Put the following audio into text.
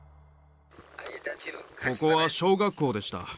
ここは小学校でした。